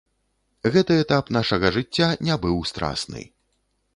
Гэты этап нашага жыцця не быў страсны.